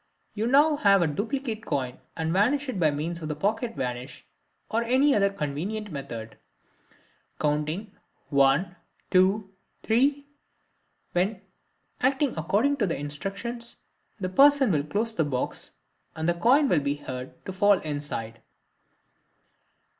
You now take a duplicate coin and vanish it by means of the "Pocket Vanish," or any other convenient method, counting "One! two! three!" when, acting according to your instructions, the person will close the box, and the coin will be heard to fall inside.